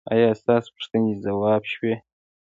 ایا ستاسو پوښتنې ځواب شوې؟